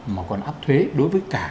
mà còn áp thuế đối với xăng